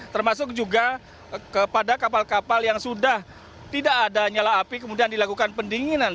termasuk juga kepada kapal kapal yang sudah tidak ada nyala api kemudian dilakukan pendinginan